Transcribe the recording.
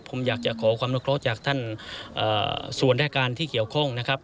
ผมอยากจะขอความนุเคราะห์จากท่านส่วนรายการที่เกี่ยวข้องนะครับ